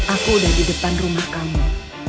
aku udah di depan rumah kamu